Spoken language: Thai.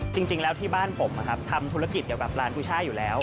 จริงแล้วที่บ้านผมทำธุรกิจเกี่ยวกับร้านกุช่ายอยู่แล้ว